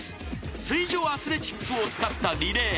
［水上アスレチックを使ったリレー］